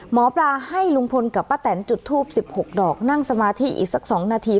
หมอปลาให้ลุงพลกับป้าแตนจุดทูป๑๖ดอกนั่งสมาธิอีกสัก๒นาที